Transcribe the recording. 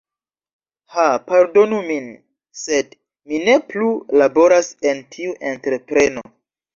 "Ha pardonu min, sed mi ne plu laboras en tiu entrepreno.